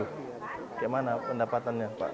bagaimana pendapatannya pak